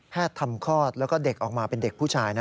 ทำคลอดแล้วก็เด็กออกมาเป็นเด็กผู้ชายนะ